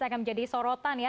akan menjadi sorotan ya